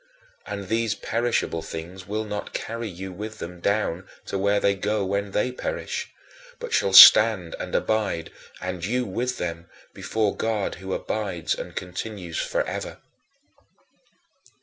And these perishable things will not carry you with them down to where they go when they perish, but shall stand and abide, and you with them, before God, who abides and continues forever.